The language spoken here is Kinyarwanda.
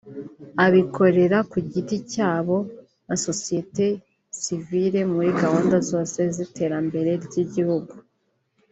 abikorera ku giti cyabo na sosiyete sivile muri gahunda zose z’iterambere ry’igihugu